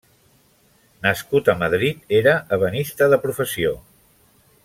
Nascut a Madrid, era ebenista de professió.